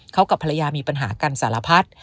เขากับภรรยามีปัญหากันสารพัด